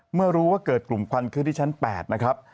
เมื่อรู้ว่าเกิดกลุ่มควันขึ้นที่ชั้น๘นะครับ